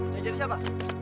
yang jadi siapa